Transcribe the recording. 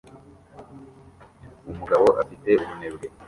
Umugabo afite ubunebwe